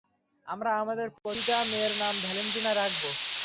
আমরা আমদের প্রতিটা মেয়ের নাম ভ্যালেন্টিনা রাখবো।